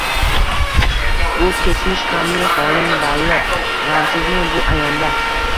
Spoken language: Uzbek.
Bu kechmish gʻamli holing balli, gʻamsizmi bu ayonda